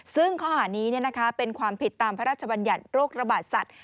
ซึ่งข้อหานี้เป็นความผิดตามพระราชบัญญัติโรคระบาดสัตว